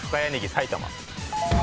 埼玉。